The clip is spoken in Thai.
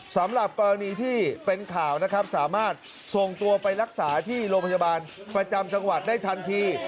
สำหรับกรณีที่เป็นข่าวนะครับสามารถส่งตัวไปรักษาที่โรงพยาบาลประจำจังหวัดได้ทันที